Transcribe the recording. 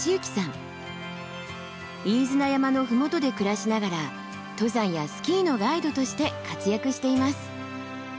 飯縄山の麓で暮らしながら登山やスキーのガイドとして活躍しています。